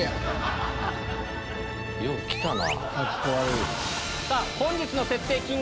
よう来たな。